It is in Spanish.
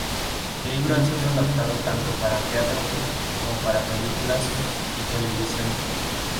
El libro ha sido adaptado tanto para teatro, como películas, y televisión.